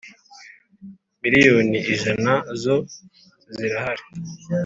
Miliyoni ijana zo zirahari.